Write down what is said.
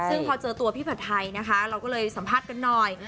ซึ่งพอเจอตัวพี่ผัดไทยนะคะเราก็เลยสัมภาษณ์กันหน่อย